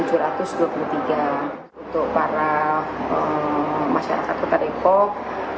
untuk para masyarakat kota depok